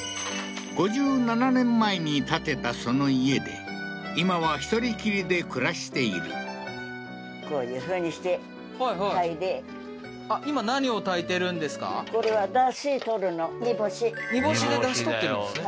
５７年前に建てたその家で今は１人きりで暮らしているこれは煮干しで出汁取ってるんですね